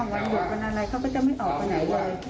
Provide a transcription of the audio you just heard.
วันหยุดวันอะไรเขาก็จะไม่ออกไปไหนเลย